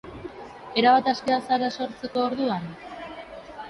Erabat askea zara sortzeko orduan?